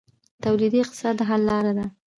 تولیدي اقتصاد د حل لاره ده